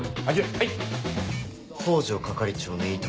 はい。